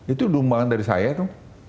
itu nyumbang dari saya itu